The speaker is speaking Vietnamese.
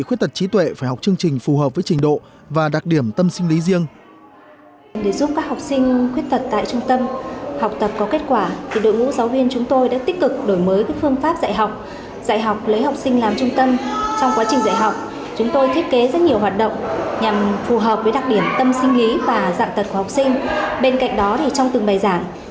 khuyết tật trí tuệ phải học chương trình phù hợp với trình độ và đặc điểm tâm sinh lý riêng